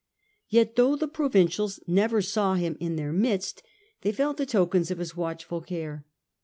Yet though the provincials interests, never saw him in their midst, they felt the tokens of his watchful care.